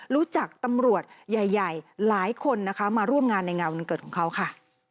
รู้จักตำรวจใหญ่หลายคนนะคะมาร่วมงานในงานวันเกิดของเขาค่ะ